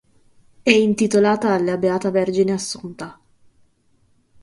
È intitolata alla Beata Vergine Assunta.